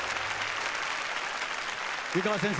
湯川先生